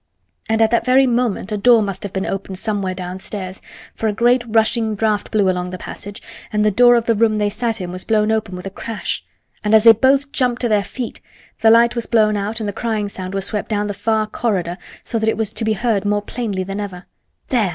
And at that very moment a door must have been opened somewhere downstairs; for a great rushing draft blew along the passage and the door of the room they sat in was blown open with a crash, and as they both jumped to their feet the light was blown out and the crying sound was swept down the far corridor so that it was to be heard more plainly than ever. "There!"